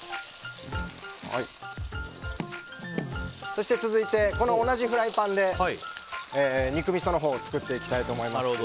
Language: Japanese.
そして、続いて同じフライパンで肉みそのほうを作っていきたいと思います。